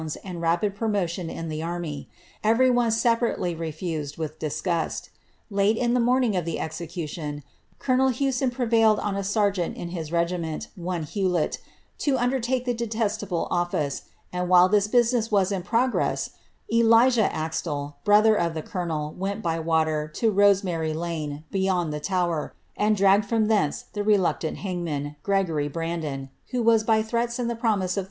and rapid promotion in the army. Every *Ay refused, with disgust. Late in the morning of the execu 1 llewson prevailed on a seijeant in his regiment, one Ilulet, e the detestable office, and while this business was in pro a AxteU brother of the colonel, went by water, to Rosemary d the Tower, and dragged from thence the reluctant hang ry Brandon, who was, by threats and the promise of 30